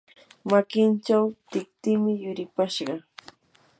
makinchaw tiktim yuripashqa.